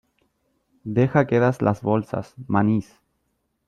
deja quedas las bolsas , manís .